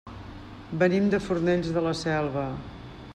Venim de Fornells de la Selva.